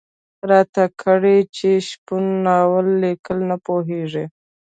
راته کړه یې چې شپون ناول ليکل نه پوهېږي.